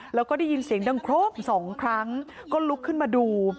แล้วก็ได้ยินเสียงดังครบสองครั้งก็ลุกขึ้นมาดู